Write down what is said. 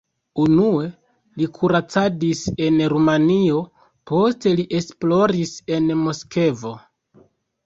Unue li kuracadis en Rumanio, poste li esploris en Moskvo.